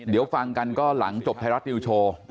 เดี๋ยวฟังกันก็หลังจบไทยรัฐนิวโชว์